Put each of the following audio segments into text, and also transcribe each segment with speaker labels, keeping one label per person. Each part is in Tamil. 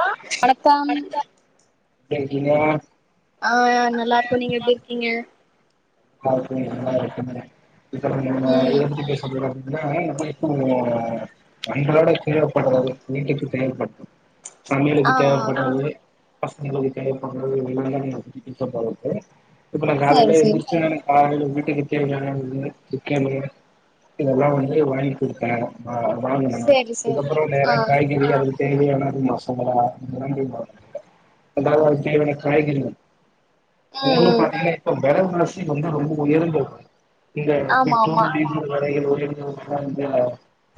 Speaker 1: ஆ
Speaker 2: வணக்கம்
Speaker 1: இங்க வா
Speaker 2: ஆ நல்லாருக்கோம் நீங்க எப்டி இருக்கீங்க
Speaker 1: [unintelligible] இப்ப நாம [unintelligible]
Speaker 2: ம்
Speaker 1: எத பத்தி பேச போரோ [unintelligible] அன்றாட தேவப்பட்றது வீட்டுக்கு தேவப்பட் சமயலுக்குத்
Speaker 2: ஆ
Speaker 1: தேவப்படாது பஸ்ங்ளுகு தேவப்பட்றது இதலாந்தா இங்க பிக்கப் ஆவுற்து இப்ப நா
Speaker 2: சேரி
Speaker 1: காலைல எந்து
Speaker 2: சேரி
Speaker 1: அவுங்க வீட்டுக்கு தேவயானது சிக்கனு இதெலாம் வந்து வாங்கி குடுப்ப ஆ வாங்ணோ
Speaker 2: சேரி சேரி
Speaker 1: இதுக்கப்புறோ
Speaker 2: ஆ
Speaker 1: நேற காய்கறி [unintelligible] தேவயானது மசாலா வாங்கின் வா அதாது தேவ்யான காய்கறிக
Speaker 2: ம்
Speaker 1: மூனு
Speaker 2: ம்
Speaker 1: பாத்திங்னா இப்ப [unintelligible] நீ தா ரொம்ப உயர்ந்தத் இந்த
Speaker 2: ஆமா ஆமா
Speaker 1: பெட்ரோல் டீசல் வரய ஒரு [unintelligible]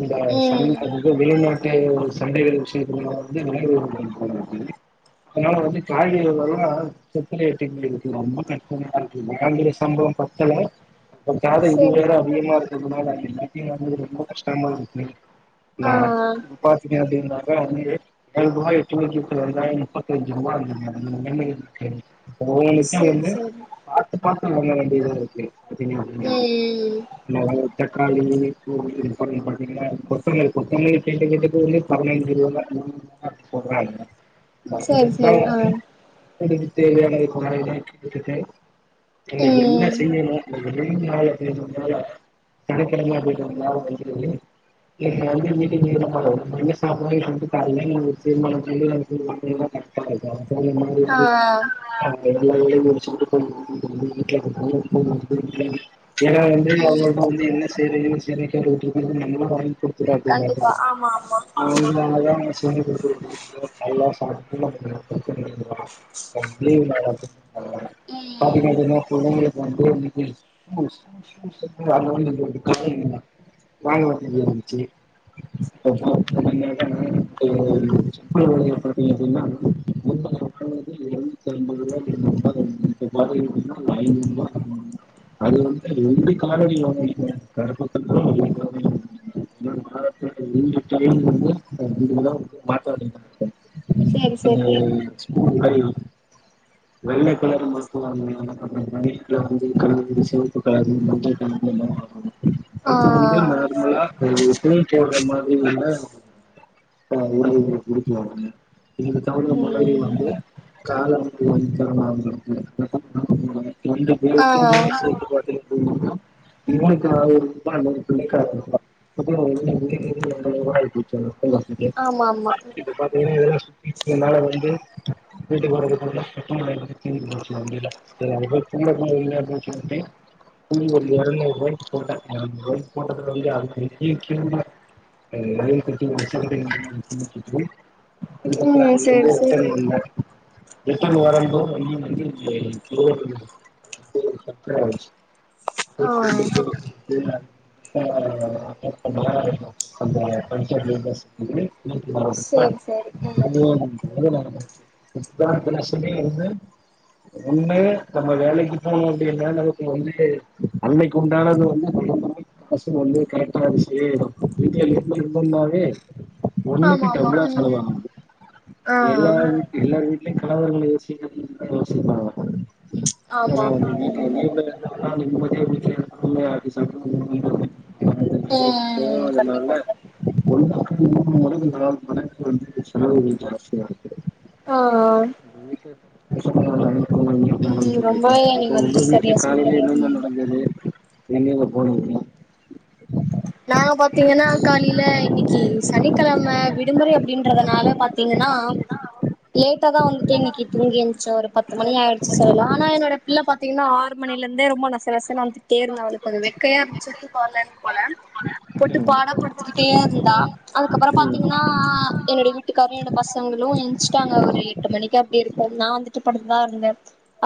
Speaker 1: இந்த சன்
Speaker 2: ம்
Speaker 1: [unintelligible] [unintelligible] சண்டைகள விஷ்யத்த வந்து விரைந்து [unintelligible] அதனால வந்து காய்கறில்லாம் சொத்தயாய்ட்ச்சு எனக்கு ரொம்ப கஷ்டமாக [unintelligible] சம்ளோம் பத்தல [unintelligible] இது
Speaker 2: சேரி
Speaker 1: வேற
Speaker 2: சேரி
Speaker 1: அதிகமாருக் ரொம்பநாள் ஆச்சு பேசியே [unintelligible] ரொம்ப கஷ்டமாருக்கு
Speaker 2: ஆ
Speaker 1: நா பாத்துக்க அப்டின்னா [unintelligible] முப்பத்தஞ்சு ருவா [unintelligible] ஒவ் ஒன்னுத்தியும்
Speaker 2: சேரி
Speaker 1: வந்து
Speaker 2: சேரி
Speaker 1: பாத்து பாத்து
Speaker 2: ம்
Speaker 1: [unintelligible] [unintelligible] தக்காளி பூண்டு பாத்தி பாத்திங்கன்னா [unintelligible] கொத்தமலி [unintelligible] வந்து பதினஞ்சு ரூபா [unintelligible] போட்றாங்க
Speaker 2: சேரி சேரி ஆ.
Speaker 1: [unintelligible] தேவையான [unintelligible] இன்னிக்கு என்ன
Speaker 2: ம்
Speaker 1: செஞ்சேனோ [unintelligible] [unintelligible] சனிக்கிழம அப்டின்றதனால சோ நீ வந்து மீட்டிங்னால நம வந்து வெளிய சாப்டலானு [unintelligible] உம் உம்
Speaker 2: ஆ
Speaker 1: ம் ஆ எல்லா வேலையு முடிச்சுகுட்டு தூங்கணும் உங்க வீட்ல நா போன் வாங்குன [unintelligible] ஏனா வந்து
Speaker 2: ம்
Speaker 1: அவங்ளோட்ட வந்து என்ன செய்ற செரிக்கா ஒரு ட்ரிப் நம்மதா வாங்கிகுடுத் [unintelligible] னாங்க
Speaker 2: கண்டிப்பா ஆமா ஆமா
Speaker 1: அதனால அவுங்க சொல்லிக் குடுத்துருக்காங்க நல்லா சாப் இல்ல [unintelligible] வா வா [unintelligible] அல்லா
Speaker 2: ம்
Speaker 1: பாத்திங்ளா [unintelligible] புள்ளைங்களுக் [unintelligible] [unintelligible]
Speaker 2: சேரி
Speaker 1: அது
Speaker 2: சேரி
Speaker 1: [unintelligible] வெள்ள கலருமா [unintelligible] நைட்ல வந்து கண்டுபிடுச்சி சிவப்பு கலரு மஞ்ச கலரு [unintelligible]
Speaker 2: ஆ
Speaker 1: அடுத்தவங்க நார்மலா ஒரு தூண் போட்ற மாதிரி உள்ள ஆ உ குடிக்ல [unintelligible] தவுந்த மொதழாழி
Speaker 2: ம்
Speaker 1: வந்து காலம் போய்தா [unintelligible] நலம் நலம் [unintelligible] ரெண்டு
Speaker 2: ஆ
Speaker 1: பேருக்குமே சேத்து பாத்திங் இவனுக்கு ஆயிருப்ப இவ புள்ளைக்கு ஆயிரபா [unintelligible] [unintelligible]
Speaker 2: ஆமா ஆமா
Speaker 1: இப்ப பாத்தீங்னா இதலா சும் இப்பலா வந்து வீட்டுக் போர முன்னாடி சிக்கன் வாங்கிட்டு போனும் முள்ள போ அப்பின்னு சொல்லிட்டு ஒரு இரநூறு ரோ போட்டேன் ரய போட்டது வந்து அது ரய கட்டி [unintelligible] அதுக்கப்ற
Speaker 2: ம்
Speaker 1: அன்னைக்கு
Speaker 2: சேரி
Speaker 1: வந்து
Speaker 2: சேரி
Speaker 1: [unintelligible] எத்தன வரம்பு
Speaker 2: ஆ
Speaker 1: [unintelligible] [unintelligible] அந்த பஞ்சாயத் [unintelligible] [unintelligible]
Speaker 2: சேரி சேரி ம்
Speaker 1: சித்தார்த் தா சொன்னிங்கனு ஒண்ணு நம்ம வேலைக்கு போனும் அப்டினா நமக்கு வந்து அன்னைக்குண்டானது வந்து ந பசங்க வந்து கரக்டா செய்யணு வீட்ல இருந்தனாவே ஒண்ணுகு
Speaker 2: ஆமா ஆமா
Speaker 1: டபுலா
Speaker 2: ம்
Speaker 1: செலவாகும்
Speaker 2: ஆ
Speaker 1: எல்லார எல்லார் வீட் இன்னைக்கு கலவரங்கள் [unintelligible] அ
Speaker 2: ஆமா
Speaker 1: ஆ
Speaker 2: ஆமா
Speaker 1: [inaudible]
Speaker 2: ம்
Speaker 1: [unintelligible] [unintelligible]
Speaker 2: ம் கண்டிப்பா
Speaker 1: போனதுனால ஒன்ன [unintelligible] வந்து செலவுகள் ஜாஸ்தியா இருக்கு
Speaker 2: ஆ
Speaker 1: [unintelligible] [unintelligible]
Speaker 2: ம் ரொம்ப
Speaker 1: சொல்லிட்டே அப்ப
Speaker 2: நீங்க
Speaker 1: உங்க
Speaker 2: வந்துட்டு
Speaker 1: வீட்ல
Speaker 2: சரியா
Speaker 1: காலைல
Speaker 2: சொன்னீங்க
Speaker 1: என்ன
Speaker 2: ம்
Speaker 1: நடந்தது எங்கங்க போனிங்க
Speaker 2: நாங்க பாத்தீங்கன்னா காலையில இன்னைக்கு
Speaker 1: ம்
Speaker 2: சனிக்கிழம விடுமுறை அப்டின்றதுனால இப்ப தா வந்துட்டு இன்னிக்கு தூங்கி எந்துச்சு வரே பத்து மணி ஆய்டுச்சு சரி ஆனா என்னோட பிள்ள பாத்தீங்கன்னா ஆறு மணிலந்தே ரொம்ப நச நசனு ட்டேருந்தா அவளுக்கு கொஞ்சோ வெக்கையா இருந்துச்சு தூக்கோ வரலன் போல போட்டுப் பாடப்படுத்திக்கிட்டே இருந்தா அதுக்கப்பறம் பாத்தீங்கன்னா என்னுடைய வீட்டுக்காரு என்ன பசங்களு எந்ச்சுட்டாங்க ஒரு எட்டு மணிக்கு அப்டி இருக்கு நா வந்துட்டு படுத்து தா இருந்தே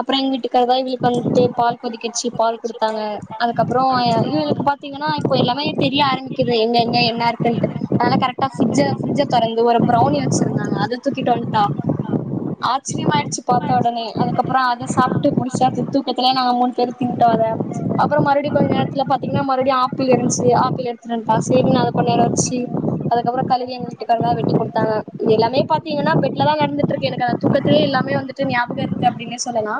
Speaker 2: அப்றோ எங்கிட்டு [unintelligible] இவுளுக்கு வந்ட்டு பால் கொதிக்கெச்சு பால்
Speaker 1: பரிகச்சு
Speaker 2: குடுத்தாங்க
Speaker 1: பயன்படுத்தாங்க.
Speaker 2: அதுக்கப்புறோ எ
Speaker 1: அதுக்கப்புறம்
Speaker 2: இவுளுக்கு பாத்தீங்கன்னா இப்போ எல்லாமே தெரிய ஆரம்பிக்குது எங்கெங்க என்ன இருக்குன்ட்டு அதனால கரெக்டா ஃபிட்ஜ ஃபிரிட்ஜ தெறந்து ஒரு ப்ரௌனி வச்சுருந்தாங்க அத தூக்கிட்டு வன்டா ஆச்சிரியமாய்டுச்சு பாத்த ஒடனே அதுக்கப்புறோ அத சாப்ட்டு முடிச்சாச்சு தூக்கத்துல நாங்க மூணு பேரு திண்டோ அத அப்பறோ மறுப்டி கொஞ்ச நேர்த்துல பாத்தீங்கன்னா மறுடியு ஆப்பிள் இருந்ச்சு ஆ ப்பிள்‌ எடுத்துட்டு வந்ட்டா செரினு அத‌ கொஞ் நேரோ வெச்சு அதுக்கப்புறோ கழுவி எங்க வீட்டுக்காரரா வெட்டி குடுத்தாங்க எல்லாமே‌ பாத்தீங்கனா பெட்ல தா‌ நடந்துட்டுருக்கு எனக்கு அந் தூக்கத்துலயே எல்லாமே வந்துட்டு ஞாபக இருக்கு அப்டின்னே சொல்லலா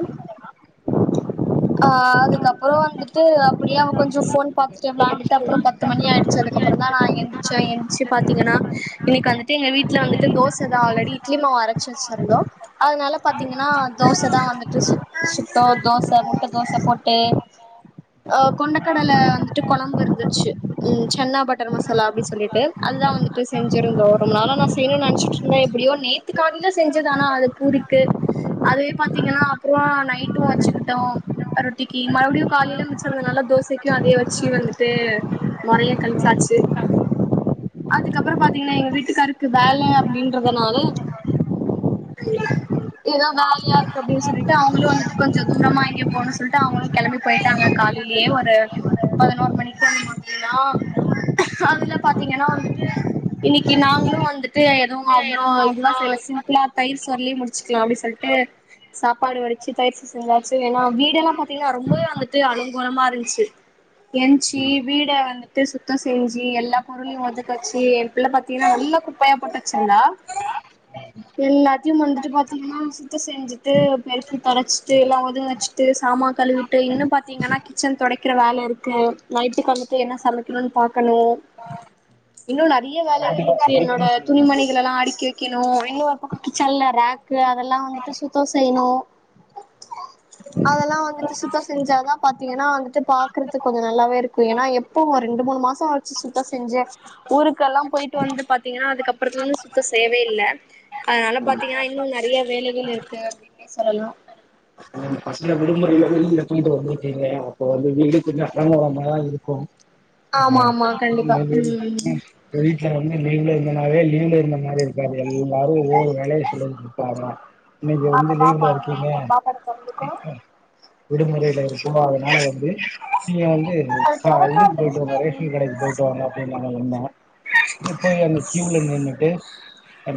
Speaker 2: அ
Speaker 1: உங்க
Speaker 2: அதுக்கப்பறோ வந்துட்டு அப்டியே அவ கொஞ்சோ ஃபோன் பாத்துட்டு
Speaker 1: வீட்டுக்கார்
Speaker 2: விளான்டுட்டு அப்றோ ப த்து மணி ஆயிடுச்சு அதுக்கப்றோ தா எந்திச்சே எந்ச்சு பாத்தீங்கன்னா இன்னைக்கு வந்துட்டு எங்க வீட்ல வந்துட்டு தோச தா ஆல்ரெடி
Speaker 1: சமைப்பாரா
Speaker 2: இட்லிமாவ் அரச்சு வச்ருந்தோ அதனால
Speaker 1: சாப்பாடு
Speaker 2: பாத்தீங்கன்னா தோச தா வந்துட்டு சுட் சுட்டோ‌ தோச முட்ட தோச போட்டு அ கொண்டக்கடல வந்துட்டு கொழம்பு இருந்துச்சு ம் சன்னா பட்டர் மசாலா அப்டி சொல்லிட்டு அதுதா வந்துட்டு செஞ்சிருந்தோ ரொம்ப நாளா நா செய்ணுன் நென்ச்சிட்டுருந்தே எப்டியோ நேத்து காலில செஞ்சது ஆனா அது பூரிக்கு அதுவே பாத்தீங்கன்னா அப்றோ நைட்டு வச்சுக்கிட்டோ ரொட்டிக்கு மறுப்டியு காலையில மிச்சருந்தனால தோசைக்கு அதே வச்சு வந்துட்டு மொறையா கணிச்சாச்சு அதுக்கப்புறோ பாத்தீங்கன்னா எங்க வீட்டுக்காரர்க்கு வேல அப்டின்றதுனால ஏதோ வேலயா இருக்கு அப்டின் சொல்லிட்டு அவுங்களு வந்ட்டு கொஞ்சோ‌‌ தூரமா எங்கயோ போணு சொல்ட்டு அவுங்களு கெளம்பி போய்ட்டாங்க காலைலியே ஒரு பதனோரு மணிக்கு அந்த மாரி ல்லா அதுல பாத்தீங்கன்னா வந்துட்டு இன்னிக்கு நாங்களு வந்துட்டு எதுவு
Speaker 1: வந்துட்டு
Speaker 2: அவ்ளோ
Speaker 1: எதுவும்
Speaker 2: இதுவா
Speaker 1: அவ்ளோ
Speaker 2: செய்ல சிம்பிளா தயிர் சோற்ல்யே முடிச்சுக்லா அப்டி சொல்ட்டு சாப்பாடு வடிச்சு தயிர்ஸ் ஸ் செஞ்சாச்சு ஏன்னா வீடு எல்லா பாத்தீங்கன்னா ரொம்பவே வந்துட்டு அலங்கோலமா இருந்ச்சு ஏன்ச்சி வீட வந்துட்டு சுத்தோ செஞ்சி எல்லா பொருள்யு ஒதுக் வச்சி புள்ள பாத்தீங்கன்னா நல்லா குப்பையா போட்டு வச்சுருந்தா எல்லாத்தியு வந்துட்டு பாத்தீங்கன்னா சுத்தோ செஞ்சுட்டு பெருக்கி தொடச்சிட்டு எல்லா ஒதுங்க வச்சுட்டு சாமான் கழுவிட்டு இன்னு பாத்தீங்கன்னா கிச்சன் தொடைக்கிற வேல இருக்கு நைட் டுக்கு வந்துட்டு என்ன சமைக்குணுன் பாக்கணு இன்னு‌ நெ றிய வேலைகள்
Speaker 1: கண்டிப்பா
Speaker 2: இருக்கு என்னோட
Speaker 1: சொல்லித்தான
Speaker 2: துணி
Speaker 1: செய்வேங்க
Speaker 2: மணிகலெல்லா அடிக்கி வெக் ணு இன்னொரு பக்கோ கிச்சன்ல ராக்கு அதெல்லா வந்துட்டு சுத்தோ செய்யணு அதெல்லா வந்துட்டு சுத்தோ செஞ்சாதா பாத்தீங்கென்னா வந்துட்டு பாக்றதுக்கு கொஞ்சோ நல்லாவே இரு க்கு ஏனா எப்போவு ஒரு ரெண்டு மூணு மாசோ ஆச்சு சுத்தோ செஞ்சே ஊருக்கெல்லா போய்ட்டு வந்து பாத்தீங்கன்னா அதுக்கப்புறத்துலந்து சுத்தோ செய்யவே இல்ல அதனால பாத்தீங்கன்னா இன்னு நெறைய வேலைகள் இருக்கு அப்டின்னே சொல்லலா
Speaker 1: நீங்க பசங்க விடுமுறைல வெளில போயிட்டு வந்துருக்கீங்க அப்போ வந்து வீடு கொஞ்சோ அலங்கோலமா தா இருக்கு
Speaker 2: ஆமா ஆமா
Speaker 1: ஆ
Speaker 2: கண்டிப்பா ம் ம்
Speaker 1: இல்லங்க [unintelligible] வந்து லீவ்ல இருந்தனாவே லீவ்ல இருந்த மாரி இருக்காது எல்லாரு ஒவ்வொரு வேலைய கொண்டு வந்து நிப்பாங்க
Speaker 2: பாப்போ பாப்பா [unintelligible] பாப்பா [unintelligible]
Speaker 1: ம்க்கு விடுமுறையில தூங்காததுனால வந்து நீங்க வந்து
Speaker 2: அது
Speaker 1: [unintelligible] போய்ட்டு வாங்க ரேஷன் கடைக்கு
Speaker 2: தொறக்காது
Speaker 1: போய்ட்டு வாங்க அப்டின்னு வந்து நின்னா போய்ட்டு அந்த க்யூல நின்னுட்டு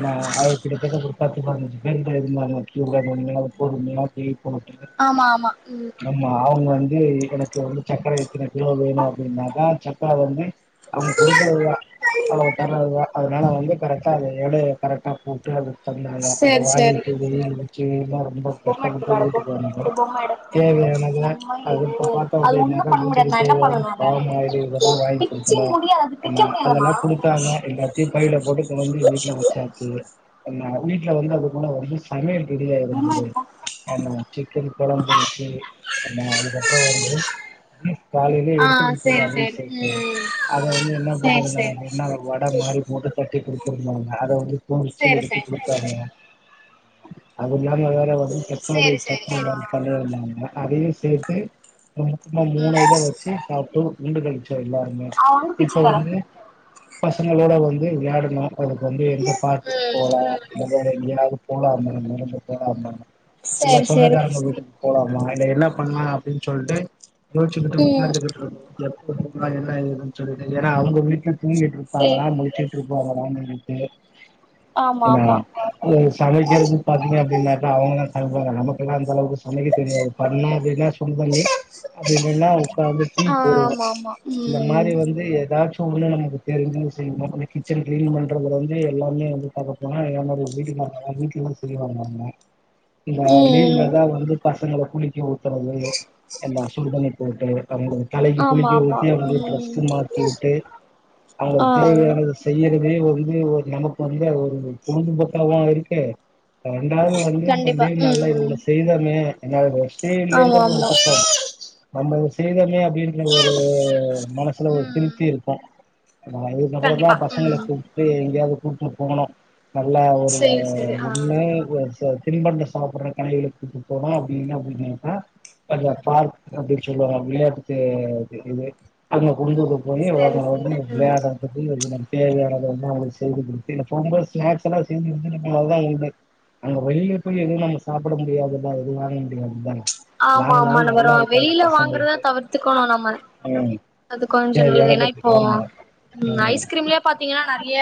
Speaker 1: நா அது கிட்டத்தட்ட ஒரு பத்து [unintelligible] போனு கிரிக்கெட்
Speaker 2: ஆமா ஆமா ம்
Speaker 1: ஆம்மா அவுங்க வந்து [unintelligible] வந்து சக்கரை [unintelligible] அப்டின்னாக்கா [unintelligible] அவங்க குடுக்குறதுதா அவ்ளவு தர்றதுதா அதனால வந்து கரெக்டா அது எடைய கரெக்டா போட்டு அது அதுமாரி தா அந்த
Speaker 2: சேரி
Speaker 1: வாரிய
Speaker 2: சேரி
Speaker 1: [unintelligible] [unintelligible] ரொம்ப கஷ்ட
Speaker 2: பொம்ம எடுத்து விளாட போ
Speaker 1: வீட்டுக்கு
Speaker 2: எடு பொம்ம எடு
Speaker 1: [unintelligible] தேவையானத
Speaker 2: பொம்மை
Speaker 1: ஆ
Speaker 2: எடு
Speaker 1: இப்ப பாத்தா
Speaker 2: அது
Speaker 1: அப்படிநாக
Speaker 2: ஒண்ணும்
Speaker 1: தேவையாக
Speaker 2: பண்ண
Speaker 1: வீட்டுக்கு
Speaker 2: முடியாது நா என்ன
Speaker 1: தேவையான
Speaker 2: பண்ணனு அத
Speaker 1: பாமாயிலு இததா வாங்கி
Speaker 2: பிச்சு
Speaker 1: குடுக்கணு
Speaker 2: முடியாது அது பிக்க
Speaker 1: அமா அதெல்லா
Speaker 2: முடியாதுமா
Speaker 1: குடுத்தாங்க எல்லாத்தையும் பையில போட்டுட்டு வந்து வீட்டுல வச்சாசு என்ன உய் இல்ல வந்து அது கூட வந்து சமையல் ரெடியா
Speaker 2: பொம்ம
Speaker 1: இருந்துது
Speaker 2: எடு போ
Speaker 1: ஆமா சிக்கன் கொழம்பு வச்சு நா அதுக்கப்புறோ வந்து பீப் காலையிலயே
Speaker 2: ஆ
Speaker 1: எடுத்து
Speaker 2: சேரி
Speaker 1: கொடுத்துருந்தாரு
Speaker 2: சேரி
Speaker 1: சேதே அதை வந்து என்ன
Speaker 2: சேரி
Speaker 1: பண்ணிருந்தா
Speaker 2: சேரி
Speaker 1: அப்டினா அத வடை மாறி போட்டு கட்டி [unintelligible] அத வந்து பொரிச்சு
Speaker 2: சேரி
Speaker 1: எடுத்து குடுத்தாங்க அது [unintelligible] முன்னாடி
Speaker 2: சேரி சேரி சேரி
Speaker 1: சட்னி
Speaker 2: ஆ
Speaker 1: எதா பண்ணிருந்தாங்க அதயும் சேத்து மொத்தமா மூணு இத வச்சு சாப்ட்டோ உண்டு கலிச்சு எல்லாருமே
Speaker 2: ஆ வந்து பிச்சு
Speaker 1: இப்ப
Speaker 2: தரே
Speaker 1: வந்து பசங்களோட வந்து விளயாடணும் அவனுக்கு வந்து எந்த பார்க்க்கு
Speaker 2: ம்
Speaker 1: போல அந்த மாரி எங்கயாவது போலா [unintelligible] இல்ல
Speaker 2: சேரி
Speaker 1: சொந்த
Speaker 2: சேரி
Speaker 1: காரங்க வீட்டுக்கு போலா [unintelligible] என்ன பண்லாம் அப்டின் சொல்ட்டு யோசிச்சிகிட்டு
Speaker 2: ம்
Speaker 1: உட்காந்துட்ருக்கோ எல்லா இருக்குன்னு சொல்ட்டு ஏனா அவங்க வீட்ல தூங்கிட்ருப்பாங்களா
Speaker 2: சேரி
Speaker 1: முழிச்சிட்ரு பாங்களா நின்னுட்டு
Speaker 2: ஆமா
Speaker 1: என்ன
Speaker 2: ஆமா
Speaker 1: இது சமைக்கிறது பாத்தீங்க அப்டினாக்கா அவங்க அது போற நமக்குலா அந்த அளவுக்கு சமைக்க தெரியாது பண்ணா வினஸ் பன் பண்ணி [unintelligible] வந்து டீ
Speaker 2: ஆ
Speaker 1: போடுவோம்
Speaker 2: ஆமா ஆமா
Speaker 1: இந்த
Speaker 2: ம்
Speaker 1: மாரி வந்து எதாச் மத்த ஊர்ல நமக்கு தெருஞ்ச விஷயம் [unintelligible] கிச்சன் கிளீன் பண்றதுல வந்து எல்லாமே வந்து பாக்க போனா என்னோடைய வீட்டு [unintelligible] வீட்டுலந்து செய்வாங்க அங்க இந்த
Speaker 2: ம்
Speaker 1: லீவ்லதான் வந்து பசங்க குளிக்க ஊத்துறது எல்லா சுடுதண்ணி போட்டு [unintelligible] தலைக்கு
Speaker 2: ஆமா
Speaker 1: குளிக்க
Speaker 2: ஆமா
Speaker 1: ஊத்தி அப்டியே
Speaker 2: ம்
Speaker 1: ட்ரெஸ்ஸு மாத்தி வுட்டு அவுங்களுக்கு
Speaker 2: ஆ
Speaker 1: தேவையானது செய்யறதே ஒரு வந்து ஒரு நமக்கு வந்து அது ஒ ஒரு பேன்டு பத்தல [unintelligible] கு தொண்டாவும் வந்து அப்ப
Speaker 2: கண்டிப்பா
Speaker 1: வந்து நல்லா
Speaker 2: ம் ம்
Speaker 1: இவங்கள செய்தமே என்ன [unintelligible] டே
Speaker 2: ஆமா
Speaker 1: இல்லைன்றது ஒரு
Speaker 2: ஆமா
Speaker 1: தப்போ நம்ம [unintelligible] செய்தோமே அப்டின்ற ஒரு மனசுல ஒரு
Speaker 2: ம்
Speaker 1: திருப்தி இருக்கும். அதுக்கப்புறம்
Speaker 2: கண்டிப்பா
Speaker 1: தான் பசங்கள
Speaker 2: ம்
Speaker 1: கூப்புட்டு எங்கேயாவது கூட்டு போனும். நல்ல ஒரு
Speaker 2: சேரி சேரி ஆ
Speaker 1: ஒண்ணு [unintelligible] தின்பண்டம் சாப்பிடுற கடைகளுக்கு கூப்ட்டு போனும் அப்டி இல்ல அப்டின்னாக்க அந்த பார்க் அப்டின்னு சொல்லுவாங்க விளையாட்டு து இது அங்க [unintelligible] போய் அவுங்க
Speaker 2: சேரி
Speaker 1: வந்து
Speaker 2: சேரி ம்
Speaker 1: விளையாட்றதுக்கு இது பண்டு தேவையான [unintelligible] செய்து குடுத்து போம் போது ஸ்னாக்ஸ் எல்லாம் செஞ்சு எடுத்துட்டு போறதலாம் உண்டு அங்க வெளில கொஞ்சம் எதுவும் நம்ம சாப்ட முடியாதுல்ல எதுவும் வாங்க முடியாதுல்ல
Speaker 2: ஆமா ஆமா ந வரும் வெளியில வாங்கறதான் தவிர்த்துக்கணும் நம்ம
Speaker 1: ம்
Speaker 2: அது கொஞ்சம் நல்லது ஏன்னா
Speaker 1: தேவையானது
Speaker 2: இப்போ
Speaker 1: ஆமா
Speaker 2: ம் ஐஸ்கிரீம்லயே பாத்தீங்கன்னா
Speaker 1: ம்
Speaker 2: நெறைய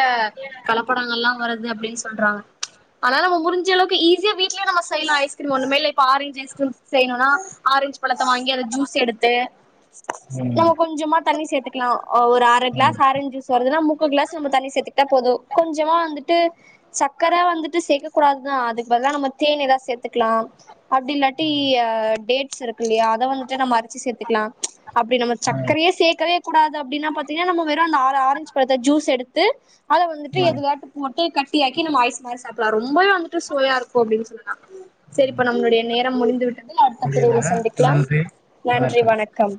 Speaker 2: கலப்படங்கள் எல்லாம் வருது அப்பிடின்னு சொல்றாங்க ச் ஆனா நம்ம முடுஞ்ச அளவுக்கு ஈசியா வீட்லயே நம்ம செய்யலாம் ஐஸ்கிரீம் ஒன்னுமே இல்ல இப்ப ஆரஞ்சு ஐஸ்கிரீம் செய்யனுன்னா ஆரஞ்ச் பழத்தை வாங்கி அத ஜூஸ் எடுத்து நம்ம
Speaker 1: ம்
Speaker 2: கொஞ்சமா தண்ணி சேத் க்கலாம் ஒரு அர
Speaker 1: ம்
Speaker 2: க்ளாஸ் ஆரஞ் ஜூஸ் வருதுன்னா முக்கா கிளாஸ் நம்ம தண்ணி சேத்துகிட்டா போதும் கொஞ்சமா வந்துட்டு சக்கரை வந்துட்டு சேக்க கூடாதுதான் அதுக்கு பதிலா நம்ம தேன் ஏதாவது சேத் சேத்துக்கலாம் அப்டி இல்லாட்டி டேட் ஸ் இருக்கு இல்லையா அத வந்துட்டு நம்ம அரைச்சு சேத்துக்கலாம். ச் அப்டி சக்கரையே சேக்கவே க்க கூடாது அப்டினா பாத்தீங்கன்னா நம்ம வெறும் அர ஆரஞ்ச் பழத்தை ஜூஸ் எடுத்து அத வந்துட்டு
Speaker 1: ம்
Speaker 2: எதுலையாட்டு போ [unintelligible] கட்டியாக்கி நம்ம ஐஸ் மாரி சாப்புட்லா அருண் ரொம்பவே வந்துட்டு சுவையாருக்கு அப்டின்னு சொன்னே செரிப்பா நம்மளுடைய நேர முடிஞ் [unintelligible] அடுத்த பிரிவுல
Speaker 1: முடியுதா
Speaker 2: சந்திக்லாம்
Speaker 1: நன்றி
Speaker 2: நன்றி வணக்கம்